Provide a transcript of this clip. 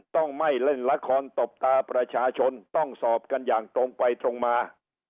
ต้องไม่เล่นละครตบตาประชาชนต้องสอบกันอย่างตรงไปตรงมา